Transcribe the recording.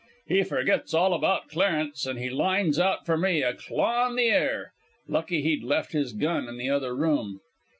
He forgits all about Clarence, and he lines out for me, a clawin' the air. Lucky he'd left his gun in the other room.